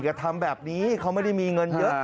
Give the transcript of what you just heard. อย่าทำแบบนี้เขาไม่ได้มีเงินเยอะ